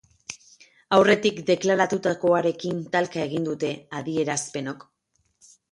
Aurretik deklaratutakoarekin talka egin dute adierazpenok.